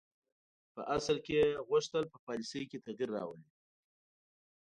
په اصل کې یې غوښتل په پالیسي کې تغییر راولي.